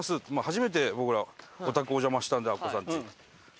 初めて僕らお宅お邪魔したんでアッコさんちに。